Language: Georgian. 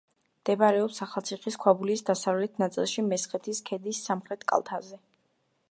მდებარეობს ახალციხის ქვაბულის დასავლეთ ნაწილში, მესხეთის ქედის სამხრეთ კალთაზე.